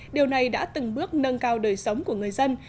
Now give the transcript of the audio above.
điều này đã từng bước nâng cao đời sống của người dân